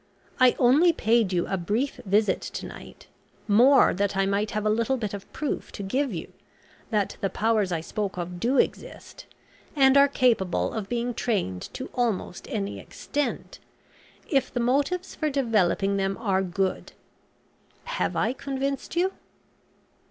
I only paid you a brief visit to night, more that I might have a little bit of proof to give you, that the powers I spoke of do exist, and are capable of being trained to almost any extent, if the motives for developing them are good. Have I convinced you?"